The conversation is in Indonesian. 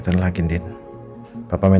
kalau aku pakai